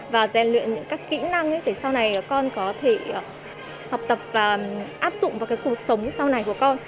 và gian luyện những các kỹ năng để sau này con có thể học tập và áp dụng vào cuộc sống sau này của con